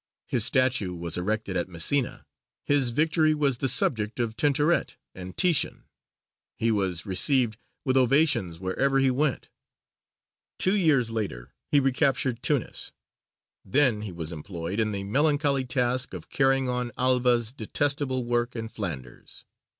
His statue was erected at Messina; his victory was the subject of Tintoret and Titian; he was received with ovations wherever he went. Two years later he recaptured Tunis. Then he was employed in the melancholy task of carrying on Alva's detestable work in Flanders.